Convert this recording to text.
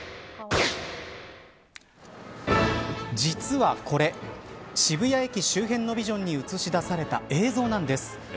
実はこれ、渋谷駅周辺のビジョンに映し出された映像なんです。